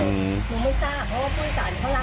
หนูไม่ทราบเพราะว่าผู้โดยสารเขารัก